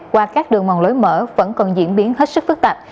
qua các đường mòn lối mở vẫn còn diễn biến hết sức phức tạp